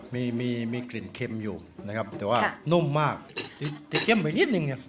มีมีกลิ่นเค็มอยู่นะครับแต่ว่านุ่มมากจะเข้มไปนิดนึงไง